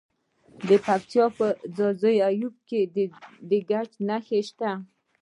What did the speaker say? د پکتیا په ځاځي کې د ګچ نښې شته.